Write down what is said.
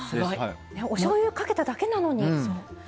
おしょうゆかけただけなのに。